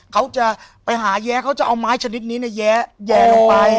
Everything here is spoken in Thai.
เขาจะไปหาแย้เขาจะเอาไม้ชนิดนี้แยะลงไป